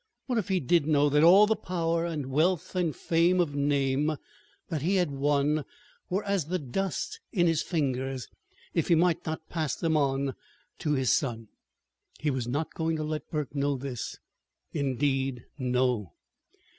What if he did know that all the power and wealth and fame of name that he had won were as the dust in his fingers if he might not pass them on to his son? He was not going to let Burke know this. Indeed, no!